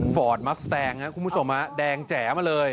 ฟอร์ตมัสแตงค์คุณผู้ชมมาแดงแจ๋มาเลย